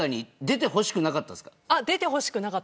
出てほしくなかったです。